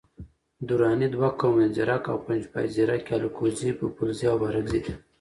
دراني دوه قومه دي، ځیرک او پنجپای. ځیرک یي الکوزي، پوپلزي او بارکزي دی